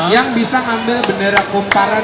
yang bisa ngambil bendera komparasi